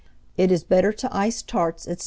It is better to ice tarts, &c.